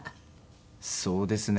そうですね。